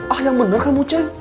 ah yang bener kamu ceng